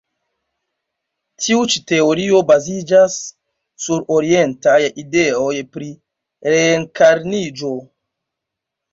Tiu ĉi teorio baziĝas sur orientaj ideoj pri reenkarniĝo.